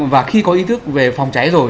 và khi có ý thức về phòng cháy rồi